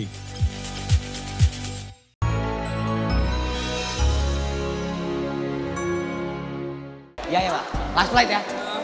iya ya pak last flight ya